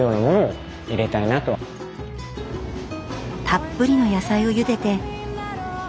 たっぷりの野菜をゆでて。